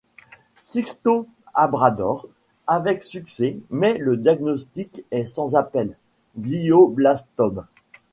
Sixto Obrador avec succès mais le diagnostic est sans appel: Glioblastome.